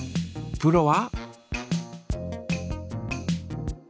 プロは？